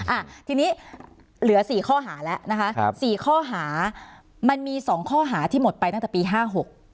อ่ะทีนี้เหลือสี่ข้อหาแล้วนะคะครับสี่ข้อหามันมีสองข้อหาที่หมดไปตั้งแต่ปีห้าหก